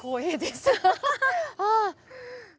ああ！